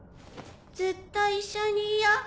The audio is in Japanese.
ずっと一緒にいよ。